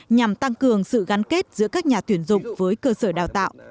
nhằm tăng cường sự gắn kết giữa các nhà tuyển dụng với cơ sở đào tạo